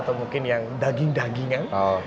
atau mungkin yang daging dagingan